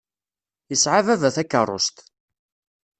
Yesɛa baba takeṛṛust.